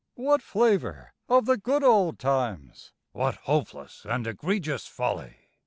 _) What flavour of the good old times! (_What hopeless and egregious folly!